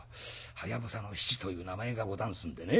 はやぶさの七という名前がござんすんでね。